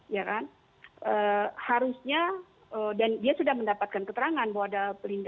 ya kan harusnya dan dia sudah mendapatkan keterangan bahwa ada pelindungan